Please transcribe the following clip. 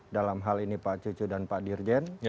dalam hal ini pak cucu dan pak dirjen